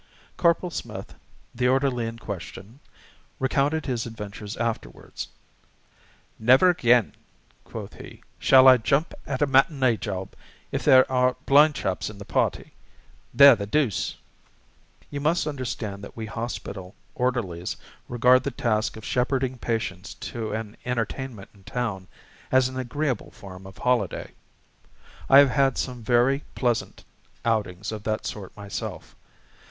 Corporal Smith, the orderly in question, recounted his adventures afterwards. "Never again," quoth he, "shall I jump at a matinée job if there are blind chaps in the party. They're the deuce." You must understand that we hospital orderlies regard the task of shepherding patients to an entertainment in town as an agreeable form of holiday. I have had some very pleasant outings of that sort myself.